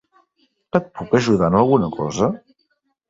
Et puc ajudar en alguna cosa?